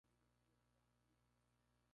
Los habitantes elegían a su propio líder.